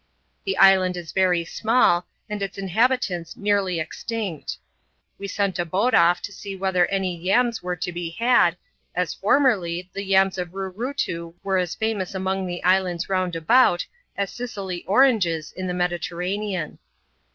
The island is very small, and its inhabitants nearly extinct. We sent a boat off to see whether any yams were to be had, as formerly, the yams of Roorootoo were as famous among the islands round about as Sicily oranges in the Mediterranean.